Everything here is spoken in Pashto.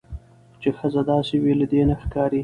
چې ښځه داسې وي. له دې نه ښکاري